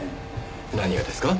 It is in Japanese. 何がですか？